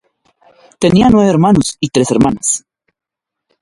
Tenía nueve hermanos y tres hermanas.